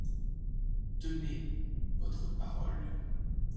Tenez votre parole.